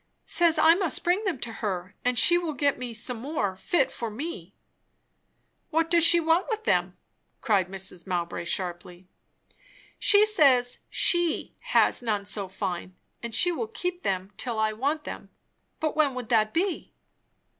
"Says I must bring them to her, and she will get me some more fit for me." "What does she want with them?" cried Mrs. Mowbray sharply. "She says she has none so fine, and she will keep them till I want them; but when would that be?"